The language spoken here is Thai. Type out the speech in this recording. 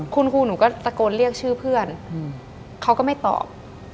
คุณครูหนูก็ตะโกนเรียกชื่อเพื่อนเขาก็ไม่ตอบ